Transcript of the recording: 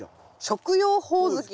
食用ホオズキ。